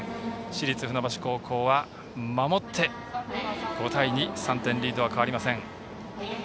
市立船橋高校は守って５対２、３点リード変わりません。